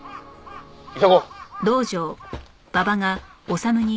急ごう。